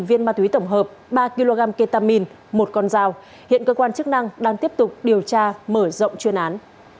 một viên ma túy tổng hợp ba kg ketamin một con dao hiện cơ quan chức năng đang tiếp tục điều tra mở rộng chuyên án